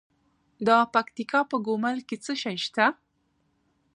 د پکتیکا په ګومل کې څه شی شته؟